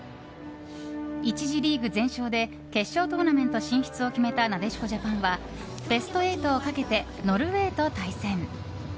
１次リーグ全勝で決勝トーナメント進出を決めたなでしこジャパンはベスト８をかけてノルウェーと対戦。